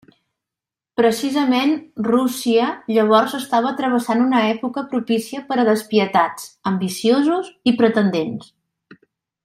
Precisament Rússia llavors estava travessant una època propícia per a despietats, ambiciosos i pretendents.